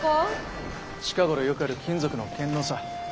近頃よくある金属の献納さ。